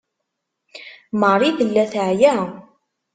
Marie tella teɛya.